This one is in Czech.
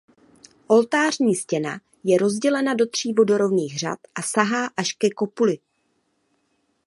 Oltářní stěna je rozdělena do tří vodorovných řad a sahá až ke kopuli.